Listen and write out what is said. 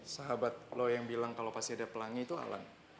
sahabat lo yang bilang kalau pasti ada pelan nya itu alan